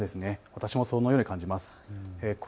私もそのように感じます。